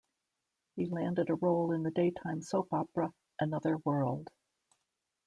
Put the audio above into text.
He landed a role in the daytime soap opera "Another World".